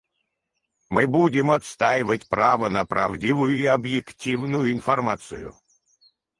Мы будем отстаивать право на правдивую и объективную информацию.